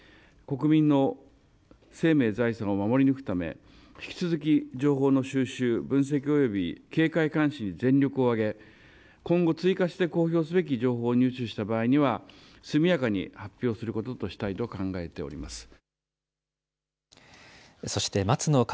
国民の生命財産を守り抜くため引き続き情報の収集、分析および警戒監視に全力を挙げ今後、追加して公表すべき情報を入手した場合には速やかに発表することとしたいと考えております。